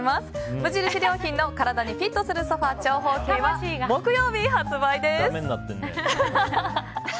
無印良品の体にフィットするソファ長方形は木曜日発売です。